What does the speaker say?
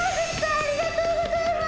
ありがとうございます。